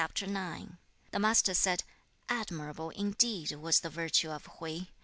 IX. The Master said, 'Admirable indeed was the virtue of Hui!